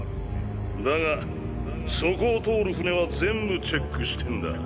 だがそこを通る船は全部チェックしてんだ。